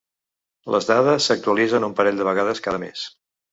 Les dades s’actualitzen un parell de vegades cada mes.